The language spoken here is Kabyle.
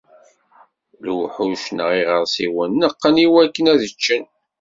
Lewḥuc, neɣ iɣeṛsiwen, neqqen i wakken ad ččen.